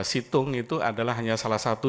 situng itu adalah hanya salah satu